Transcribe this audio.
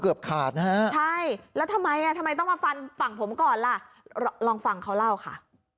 ใช่ใช่และทำไมทำไมต้องมาฟันฝั่งผมก่อนล่ะลองฟังเขาเล่าค่ะ